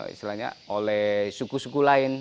istilahnya oleh suku suku lain